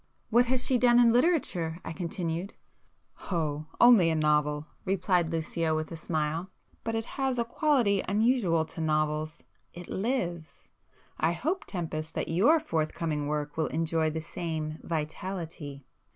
"What has she done in literature?" I continued. "Oh,—only a novel!" replied Lucio with a smile—"But it has a quality unusual to novels; it lives! I hope, Tempest, that your forthcoming work will enjoy the same vitality."